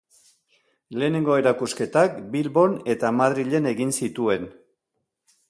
Lehenengo erakusketak Bilbon eta Madrilen egin zituen.